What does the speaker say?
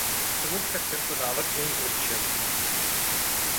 K tomu však tento návrh není určen.